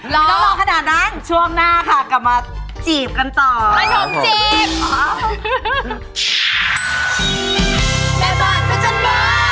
รอไม่ต้องรอขนาดนั้นช่วงหน้าค่ะกลับมาจีบกันต่อทำขนมจีบอ๋อ